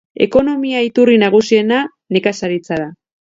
Ekonomia iturri nagusiena nekazaritza da.